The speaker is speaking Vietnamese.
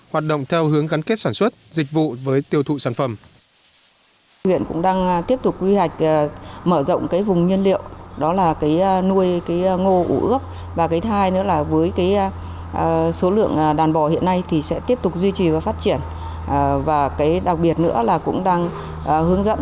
hoạt động theo hướng gắn kết sản xuất dịch vụ với tiêu thụ sản phẩm